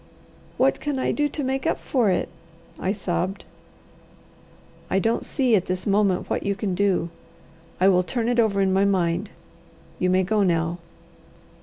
"What can I do to make up for it?" I sobbed. "I don't see at this moment what you can do. I will turn it over in my mind. You may go now."